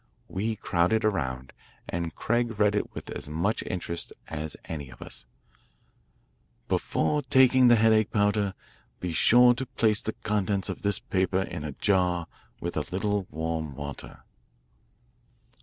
We crowded around, and Craig read it with as much interest as any of us: "Before taking the headache powder, be sure to place the contents of this paper in a jar with a little warm water."